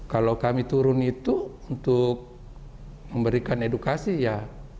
kalau kami turun itu untuk memberikan edukasi ya